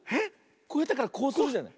こうやってからこうするじゃない？